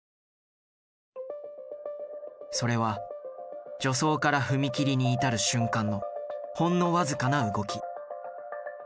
それは助走から踏切に至る瞬間のほんの僅かな動き。